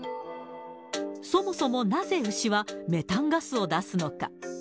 そもそもなぜ牛はメタンガスを出すのか。